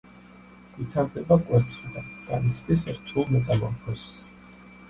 ვითარდება კვერცხიდან, განიცდის რთულ მეტამორფოზს.